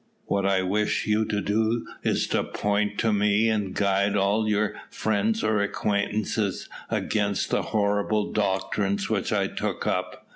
What I wish you to do is to point to me, and to guide all your friends or acquaintances against the horrible doctrines which I took up.